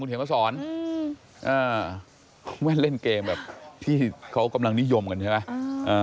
เห็นมาสอนแว่นเล่นเกมแบบที่เขากำลังนิยมกันใช่ไหม